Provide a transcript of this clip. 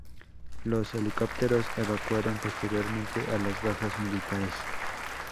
Los helicópteros evacuaron posteriormente a las bajas militares.